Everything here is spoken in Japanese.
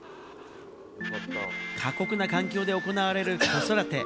過酷な環境で行われる子育て。